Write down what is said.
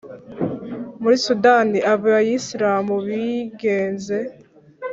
muri sudan abayisilamu bigenze